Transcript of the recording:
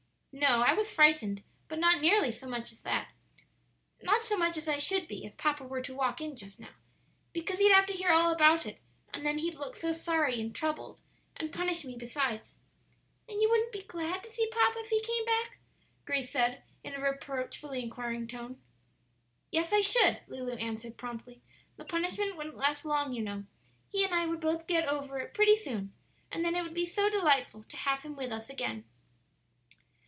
"No; I was frightened, but not nearly so much as that. Not so much as I should be if papa were to walk in just now; because he'd have to hear all about it, and then he'd look so sorry and troubled, and punish me besides." "Then you wouldn't be glad to see papa if he came back?" Grace said, in a reproachfully inquiring tone. "Yes, I should," Lulu answered, promptly; "the punishment wouldn't last long, you know; he and I would both get over it pretty soon, and then it would be so delightful to have him with us again."